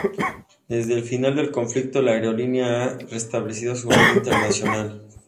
Desde el final del conflicto, la aerolínea ha restablecido su red internacional.